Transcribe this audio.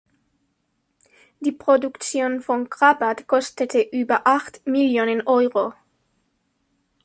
Die Produktion von "Krabat" kostete über acht Millionen Euro.